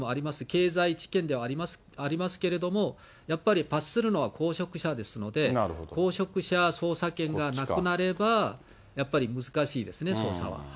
経済事件でもありますけれども、やっぱり罰するのは公職者ですので、公職者捜査権がなくなれば、やっぱり難しいですね、捜査は。